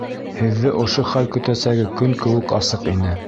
Һеҙҙе ошо хәл көтәсәге көн кеүек асыҡ ине.